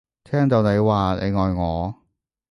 聽到你話你愛我